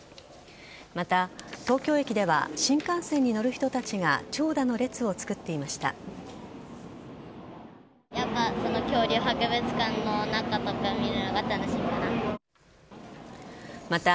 また、東京駅では新幹線に乗る人たちが長蛇の列を作っていました。